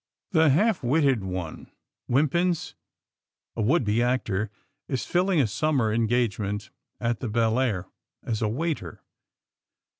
The half witted one, Wimpins, a would be actor is filling a summer engagement at the Belleair — as a waiter.